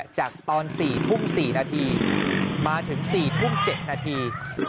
จากตอน๔ทุ่ม๔นาทีมาถึง๔ทุ่ม๗นาที